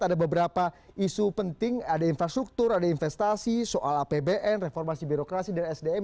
ada beberapa isu penting ada infrastruktur ada investasi soal apbn reformasi birokrasi dan sdm